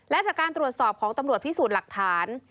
และจากการตรวจสอบของตำรวจพิสูจน์หลักฐาน